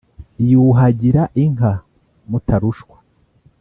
yuhagira inka mutarushwa,